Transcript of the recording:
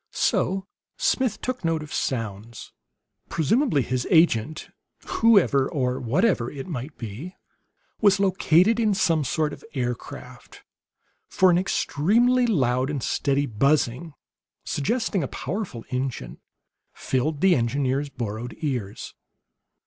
So Smith took note of sounds. Presumably his agent whoever or whatever it might be was located in some sort of aircraft; for an extremely loud and steady buzzing, suggesting a powerful engine, filled the engineer's borrowed ears.